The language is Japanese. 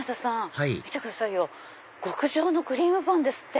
はい見てくださいよ「極上のクリームパン」ですって。